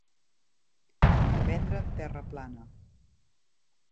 Vendre en terra plana.